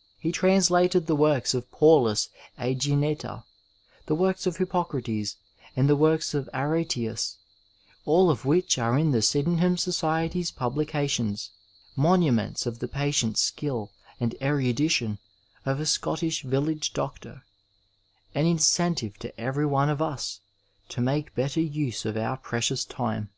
'' He translated the works of Paulus A^gineta, the works of Hippocrates, and the works of Aretaeus, all of which are in the Sydenham Society's publications, monuments of the patient skill and erudition of a Scottish village doctori 430 Digitized by Google THE STUDENT LIFE an incentive to eveiy one of as to make better use of oni precious time.